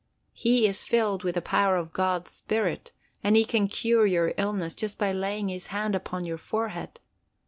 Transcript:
He is filled with the power of God's spirit, and he can cure your illness just by laying his hand upon your forehead!